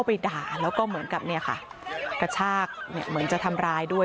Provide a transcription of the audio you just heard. มีแม่ยายวิ่งเข้าไปด่าแล้วก็เหมือนกับเนี่ยค่ะกระชากเนี่ยเหมือนจะทำรายด้วย